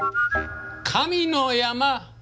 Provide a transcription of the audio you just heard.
神の山！